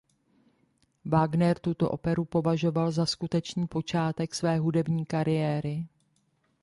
Wagner tuto operu považoval za skutečný počátek své hudební kariéry.